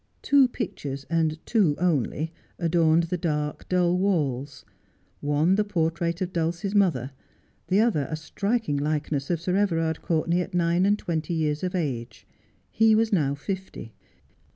Two pictures and two only, adorned the dark, dull walls — one the portrait of Dulcie's mother, the other a striking likeness of Sir Everard Courtenay at nine and twenty years of age. He was now fifty.